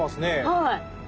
はい。